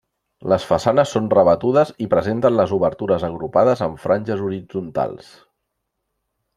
Les façanes són rebatudes i presenten les obertures agrupades en franges horitzontals.